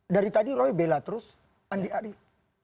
dari tadi roy bela terus andi arief